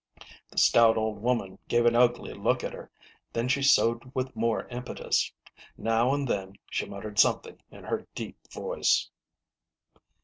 The stout old woman gave an ugly look at her ; then she sewed with more impetus. Now and then she muttered something in her deep voice.